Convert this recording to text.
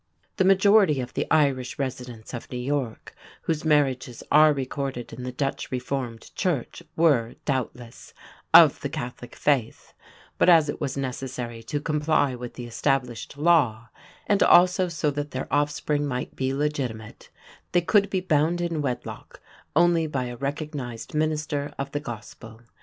The majority of the Irish residents of New York whose marriages are recorded in the Dutch Reformed church were, doubtless, of the Catholic faith, but, as it was necessary to comply with the established law, and also so that their offspring might be legitimate, they could be bound in wedlock only by a recognized Minister of the Gospel.